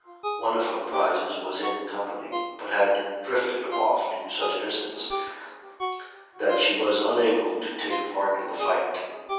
One of her prizes was in company, but had drifted off to such a distance that she was unable to take part in the fight.